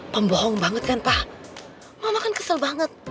pembohong banget kan pak mama kan kesel banget